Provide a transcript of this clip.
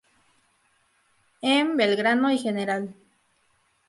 M. Belgrano y Gral.